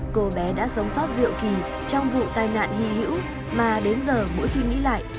cô bé đã sống sót diệu kỳ trong vụ tai nạn hy hữu mà đến giờ mỗi khi nghĩ lại